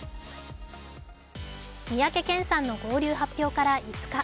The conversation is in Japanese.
三宅健さんの合流発表から５日。